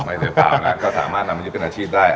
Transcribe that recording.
ไม่เสียเปล่านะก็สามารถนำมันยืดเป็นอาชีพได้